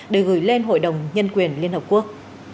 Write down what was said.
để gửi lên hội đồng nhân quyền liên hợp quốc